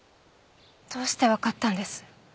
どうしてわかったんです？